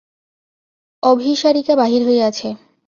অভিসারিকা বাহির হইয়াছে।